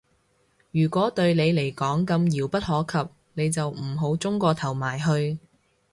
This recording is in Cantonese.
如果對你嚟講咁遙不可及，你就唔好舂個頭埋去